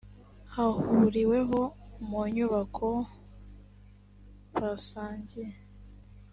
hahuriweho mu nyubako basangiye